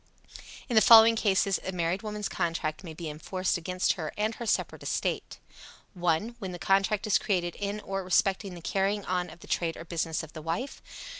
In the following cases a married woman's contract may be enforced against her and her separate estate: 1. When the contract is created in or respecting the carrying on of the trade or business of the wife.